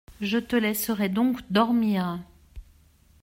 Je le laisserai donc dormir.